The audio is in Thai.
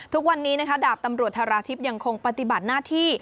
ทุกวันนี้ดาบตำรวจธราชิบยังคงปฏิบัติหน้าที่